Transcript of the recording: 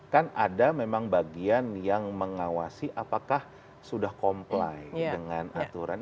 kan ada memang bagian yang mengawasi apakah sudah comply dengan aturan